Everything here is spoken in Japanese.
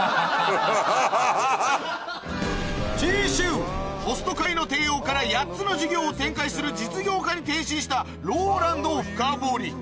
次週ホスト界の帝王から８つの事業を展開する実業家に転身したＲＯＬＡＮＤを深掘り